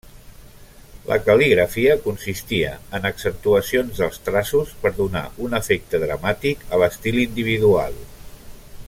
La cal·ligrafia consistia en accentuacions dels traços per donar un efecte dramàtic a l'estil individual.